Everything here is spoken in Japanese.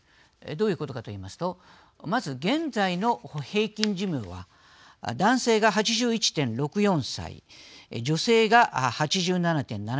どういうことかといいますとまず現在の平均寿命は男性が８１．６４歳女性が８７．７４歳。